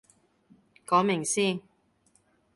講明先